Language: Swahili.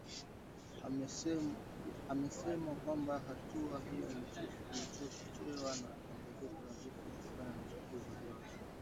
amesema kwamba hatua hiyo imechochewa na ongezeko la vifo kutokana na uchafuzi wa hewa ulimwenguni